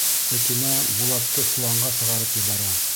Сәкинә Булатты соланға сығарып ебәрә.